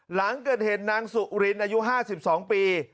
หลังเกิดเหตุนางสุรินอายุ๕๒ปี